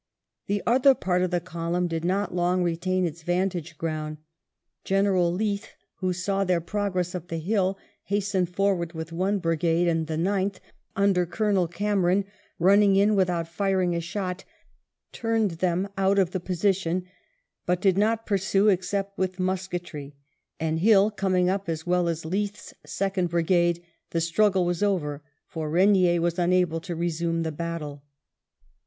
The other part of the column did not long retain its vantage ground. General Leith, who saw their progress up the hill, hastened forward with one brigade, and the Ninth, under Colonel Cameron, running in without firing a shot, turned them out of the position, but did not pursue except with musketry, and Hill coming up as well as Leith's second brigade, the struggle was over, for Regnier was unable to resume the battle.